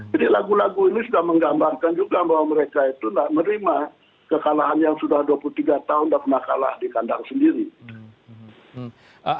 jadi lagu lagu ini sudah menggambarkan juga bahwa mereka itu tidak menerima kekalahan yang sudah dua puluh tiga tahun tidak pernah kalah di kandang sendiri